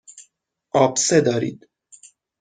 آبسه دارید.